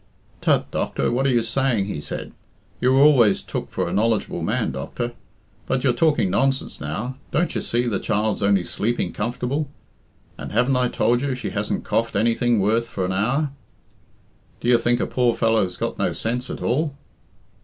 "Tut, doctor, what are you saying?" he said. "You were always took for a knowledgable man, doctor; but you're talking nonsense now. Don't you see the child's only sleeping comfortable? And haven't I told you she hasn't coughed anything worth for an hour? Do you think a poor fellow's got no sense at all?"